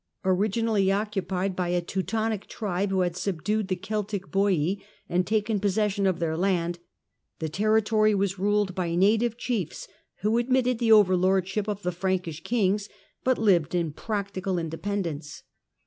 Originally occupied ^"varia >y a Teutonic tribe, who had subdued the Celtic Boh md taken possession of their land, the territory was Tiled by native chiefs who admitted the overlordship >f the Frankish kings, but lived in practical independ ence.